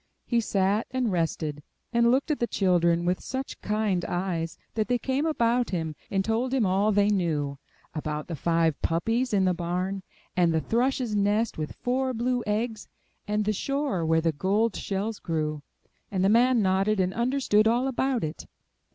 He sat and rested, and looked at the children with such kind eyes that they came about him, and told him all they knew; about the five puppies in the barn, and the thrush's nest with four blue eggs, and the shore where the gold shells grew; and the man nodded and understood all about it.